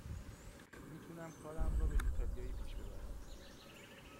می تونم کارم را به ایتالیایی پیش ببرم.